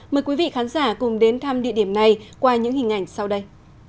mời quý vị khán giả cùng đến thăm địa điểm này qua những hình ảnh sau đây